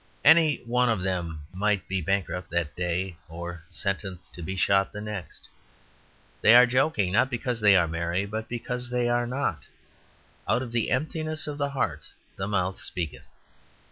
Any one of them might be bankrupt that day, or sentenced to be shot the next. They are joking, not because they are merry, but because they are not; out of the emptiness of the heart the mouth speaketh.